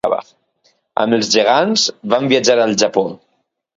Amb els gegants, van viatjar al Japó.